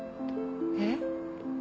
えっ？